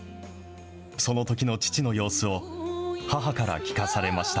そのときの父の様子を母から聞かされました。